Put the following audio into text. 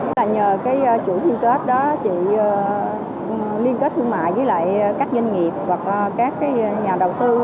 là nhờ cái chủ thiên kết đó chị liên kết thương mại với lại các doanh nghiệp hoặc các nhà đầu tư